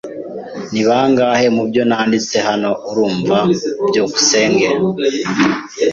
Ni bangahe mubyo nanditse hano urumva? byukusenge